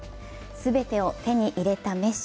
全てを手に入れたメッシ。